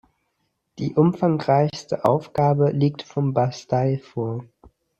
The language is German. Die umfangreichste Ausgabe liegt von Bastei vor.